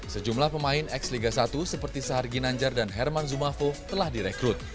sejumlah pemain ex liga satu seperti sahar ginanjar dan herman zumafo telah direkrut